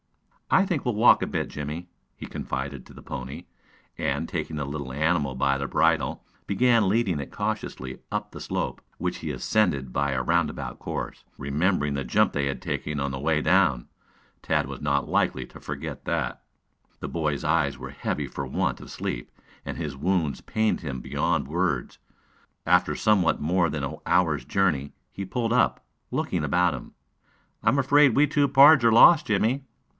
"I think we'll walk a bit, Jimmie," he confided to the pony, and, taking the little animal by the bridle, began leading it cautiously up the slope, which he ascended by a roundabout course, remembering the jump they had taken on the way down. Tad was not likely to forget that. The boy's eyes were heavy for want of sleep and his wounds pained him beyoud words. After somewhat more than an hour's journey he pulled up, looking about him. "I am afraid we two pards are lost, Jimmie."